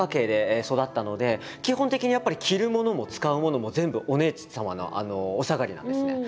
基本的にやっぱり着るものも使うものも全部お姉様のお下がりなんですね。